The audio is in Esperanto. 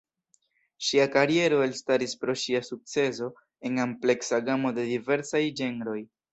Ŝia kariero elstaris pro ŝia sukceso en ampleksa gamo de diversaj ĝenroj.